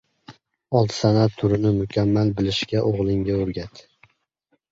– olti san’at turini mukammal bilishga o'g'lingga o'rgat;